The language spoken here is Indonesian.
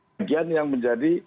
beginian yang menjadi